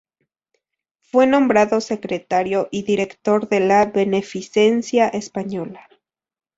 Fue nombrado secretario y director de la Beneficencia Española.